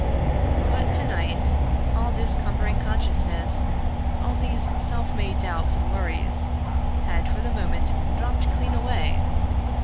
But to night all this cumbering consciousness, all these self made doubts and worries, had for the moment dropped clean away!